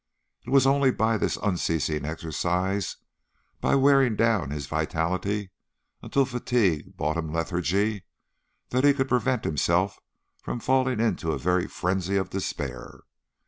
It was only by this unceasing exercise, by wearing down his vitality until fatigue brought lethargy, that he could prevent himself from falling into a very frenzy of despair.